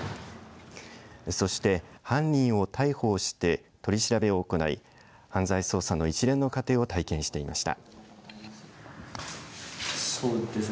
そして犯人を逮捕して取り調べを行い犯罪捜査の一連の過程を体験していました。